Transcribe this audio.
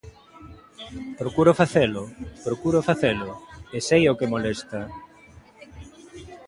Procuro facelo, procuro facelo e sei o que molesta.